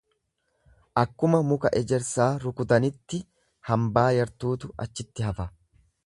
Akkuma muka ejersaa rukutanitti hambaa yartuutu achitti hafa.